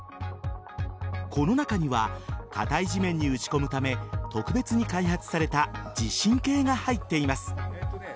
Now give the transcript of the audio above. この中には硬い地面に打ち込むため特別に開発された地震計が入っています。